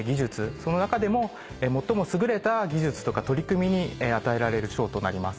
その中でも最も優れた技術とか取り組みに与えられる賞となります。